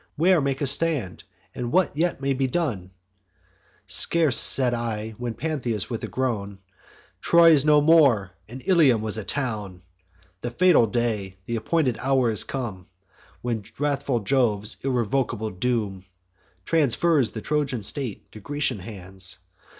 Where make a stand? and what may yet be done?' Scarce had I said, when Pantheus, with a groan: 'Troy is no more, and Ilium was a town! The fatal day, th' appointed hour, is come, When wrathful Jove's irrevocable doom Transfers the Trojan state to Grecian hands.